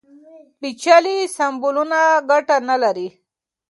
پېچلي سمبولونه ګټه نه لري.